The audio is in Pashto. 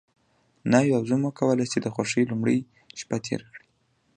ناوې او زوم وکولی شي د خوښۍ لومړۍ شپه تېره کړي.